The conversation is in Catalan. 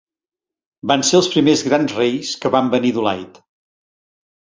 Van ser els primers Grans Reis que van venir d'Ulaid.